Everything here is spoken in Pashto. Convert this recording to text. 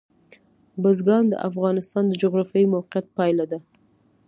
بزګان د افغانستان د جغرافیایي موقیعت پایله ده.